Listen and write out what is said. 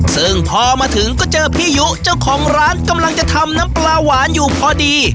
ซึ่งพอมาถึงก็เจอพี่ยุเจ้าของร้านกำลังจะทำน้ำปลาหวานอยู่พอดี